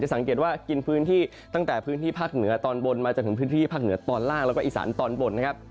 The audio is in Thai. สังเกตว่ากินพื้นที่ตั้งแต่พื้นที่ภาคเหนือตอนบนมาจนถึงพื้นที่ภาคเหนือตอนล่างแล้วก็อีสานตอนบนนะครับ